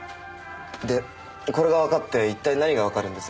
でこれがわかって一体何がわかるんです？